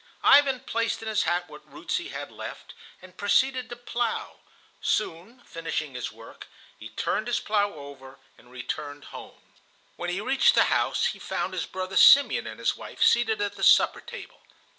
Ivan placed in his hat what roots he had left, and proceeded to plow. Soon finishing his work, he turned his plow over and returned home. When he reached the house he found his brother Simeon and his wife seated at the supper table.